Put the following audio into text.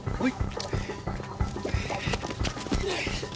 はい！